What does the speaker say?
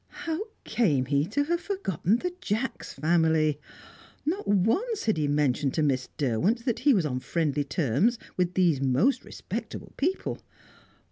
How came he to have forgotten the Jacks family? Not once had he mentioned to Miss Derwent that he was on friendly terms with these most respectable people.